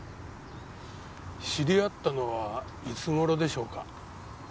知り合ったのはいつ頃でしょうか？